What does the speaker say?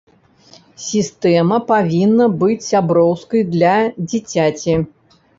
Сістэма павінна быць сяброўскай для дзіцяці.